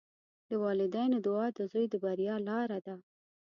د والدینو دعا د زوی د بریا لاره ده.